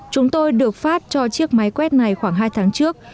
chúng tôi được phát cho chiếc máy quét này khoảng hai tháng trước